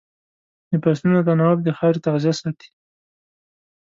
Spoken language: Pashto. د فصلونو تناوب د خاورې تغذیه ساتي.